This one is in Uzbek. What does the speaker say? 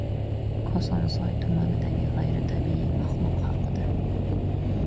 Kosonsoy tumanidagi "g‘ayritabiiy maxluq" haqida...